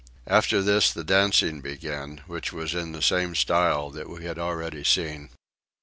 After this the dancing began, which was in the same style that we had already seen.